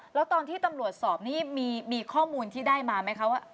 แล้วตอนที่ตำรวจสอบนี่มีข้อมูลที่ได้มาไหมคะว่า